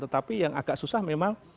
tetapi yang agak susah memang